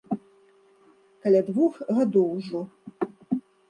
Каля двух гадоў ужо.